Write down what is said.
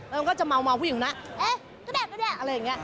แล้วก็จะเมาผู้หญิงนะเอ๊ะก็ได้อะไรอย่างนี้